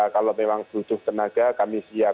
kalau memang butuh tenaga kami siap